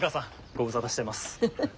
ご無沙汰してます。